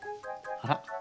あら！